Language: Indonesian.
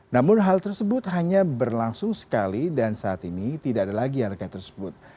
namun hal tersebut hanya berlangsung sekali dan saat ini tidak ada lagi harga tersebut